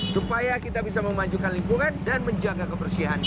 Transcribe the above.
supaya kita bisa memajukan lingkungan dan menjaga kebersihannya